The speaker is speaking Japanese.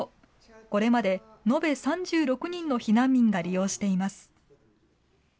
これまで延べ３６人の避難民が利用しています。